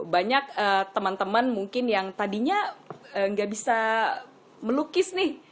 banyak teman teman mungkin yang tadinya nggak bisa melukis nih